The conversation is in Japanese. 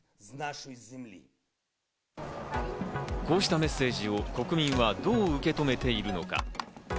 こうしたメッセージを国民はどう受け止めているのか。